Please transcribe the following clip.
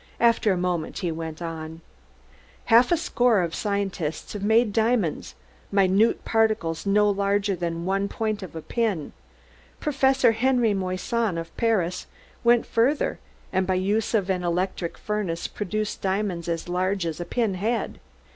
After a moment he went on: "Half a score of scientists have made diamonds, minute particles no larger than the point of a pin. Professor Henri Moissan, of Paris, went further, and by use of an electric furnace produced diamonds as large as a pinhead.